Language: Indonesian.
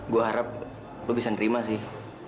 gue harap lo bisa nerima sih